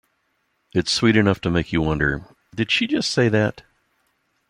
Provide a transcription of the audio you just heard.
It's sweet enough to make you wonder, 'Did she just say that?